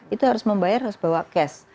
itu harus membayar harus bawa cash